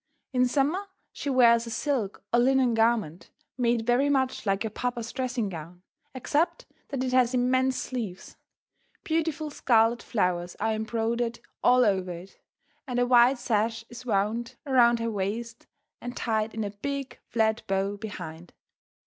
In summer she wears a silk or linen garment made very much like your papa's dressing gown, except that it has immense sleeves. Beautiful scarlet flowers are embroidered all over it, and a wide sash is wound around her waist and tied in a big, flat bow behind.